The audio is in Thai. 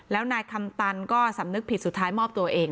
แล้วนายคำตันก็สำนึกผิดสุดท้ายมอบตัวเอง